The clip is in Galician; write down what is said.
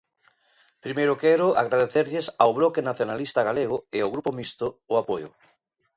Primeiro quero agradecerlles ao Bloque Nacionalista Galego e ao Grupo Mixto o apoio.